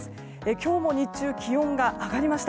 今日も日中気温が上がりました。